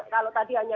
kalau tadi hanya